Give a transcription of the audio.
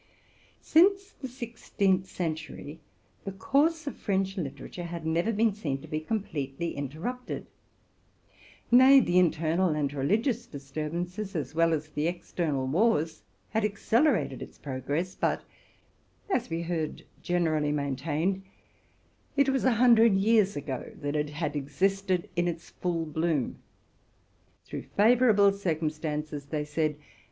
Since the sixteenth century, the course of French literature had never been seen to be completely interrupted, — nay, the internal and religious disturbances, as well as the external wars, had accelerated its progress ; but, as we heard generally maintained, it was a hundred years ago that it had existed in its full bloom. Through favorable circumstances, they said.